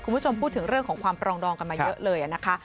คุณผู้ชมพูดถึงเรื่องของความปรองดองกันมาเยอะเลยนะคะ